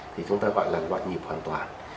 thì chúng ta gọi là loạn nhịp hoàn toàn